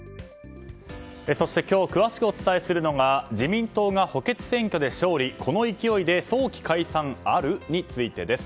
そして今日詳しくお伝えするのが自民党が補欠選挙で勝利この勢いで早期解散ある？についてです。